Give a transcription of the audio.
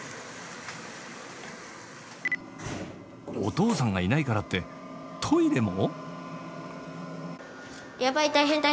お父さんがいないからってトイレも？